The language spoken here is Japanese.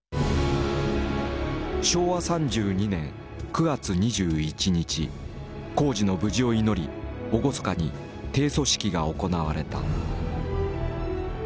昭和３２年９月２１日工事の無事を祈り厳かに定礎式が行われた。